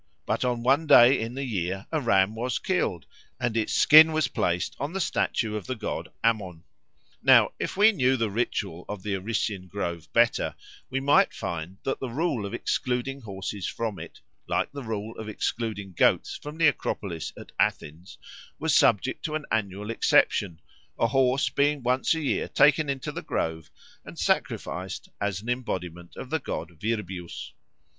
But on one day in the year a ram was killed, and its skin was placed on the statue of the god Ammon. Now, if we knew the ritual of the Arician grove better, we might find that the rule of excluding horses from it, like the rule of excluding goats from the Acropolis at Athens, was subject to an annual exception, a horse being once a year taken into the grove and sacrificed as an embodiment of the god Virbius.